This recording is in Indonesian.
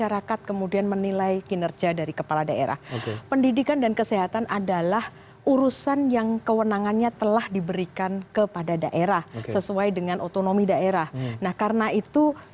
oke mbak denny tahan dulu